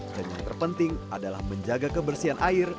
dan yang terpenting adalah menjaga kebersihan air